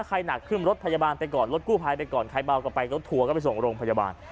หนักขึ้นรถพยาบาลไปก่อนรถกู้ภัยไปก่อนใครเบากลับไปรถทัวร์ก็ไปส่งโรงพยาบาล